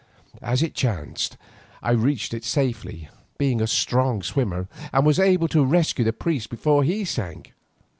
As it chanced I reached it safely, being a strong swimmer, and was able to rescue the priest before he sank.